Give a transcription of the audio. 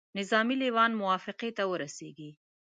نظامي لېوان موافقې ته ورسیږي.